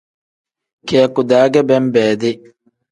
Kiyaku-daa ge benbeedi.